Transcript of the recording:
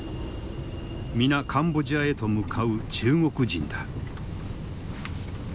皆カンボジアへと向かう中国人だ。